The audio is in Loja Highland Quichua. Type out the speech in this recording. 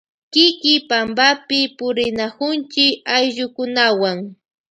Kiki pampapi purinakunchi ayllukunawan.